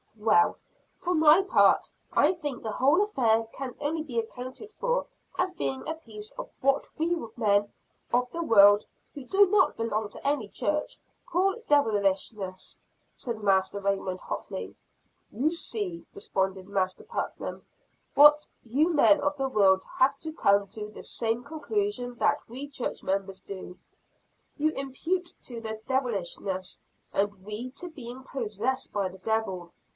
"Well, for my part, I think the whole affair can only be accounted for as being a piece of what we men of the world, who do not belong to any church, call devilishness," said Master Raymond hotly. "You see," responded Master Putnam, "that you men of the world have to come to the same conclusion that we church members do. You impute it to 'devilishness' and we to being 'possessed by the devil.'